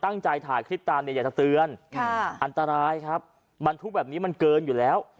ตั้งใจถ่ายคลิปตามเนี่ยอยากจะเตือนค่ะอันตรายครับบรรทุกแบบนี้มันเกินอยู่แล้ว